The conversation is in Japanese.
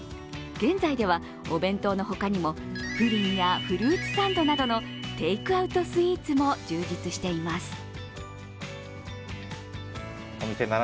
現在では、お弁当の他にもプリンやフルーツサンドなどのテイクアウトスイーツも充実しています。